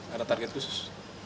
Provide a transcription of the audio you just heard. ada target khusus